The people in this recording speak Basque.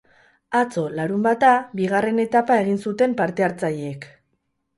Atzo, larunbata, bigarren etapa egin zuten parte-hatzaileek.